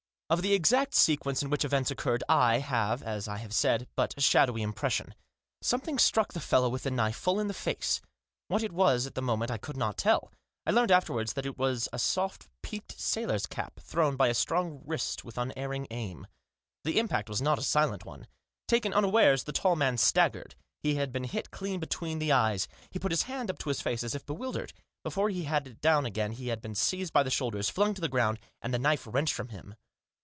Of the exact sequence in which events occurred, I have, as I have said, but a shadowy impression. Something struck the fellow with the knife full in the face. What it was at the moment I could not tell. I learnt afterwards that it was a soft, peaked sailor's cap, thrown by a strong wrist, with unerring aim. The impact was not a slight one. Taken unawares the tall man staggered ; he had been hit clean between the eyes. He put his hand up to his face, as if bewildered. Before he had it down again he had been seized by the shoulders, flung to the ground, and the knife wrenched from him.